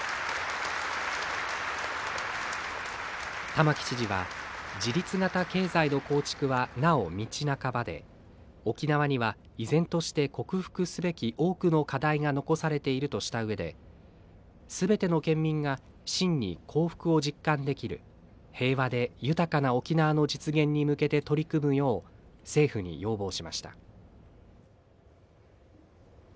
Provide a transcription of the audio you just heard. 玉城知事は「自立型経済の構築はなお道半ばで沖縄には依然として克服すべき多くの課題が残されている」としたうえですべての県民が真に幸福を実感できる平和で豊かな沖縄の実現に向けて取り組むよう政府に要望しました。